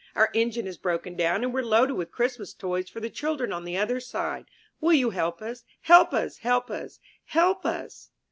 Our engine has broken down, and we're loaded with Christmas toys for the children on the other side. Will you help us, help us, help us, help us?"